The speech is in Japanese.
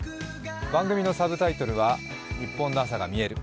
番組のサブタイトルは「ニッポンの朝がみえる」。